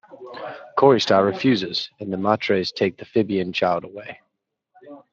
Corysta refuses, and the Matres take the Phibian child away.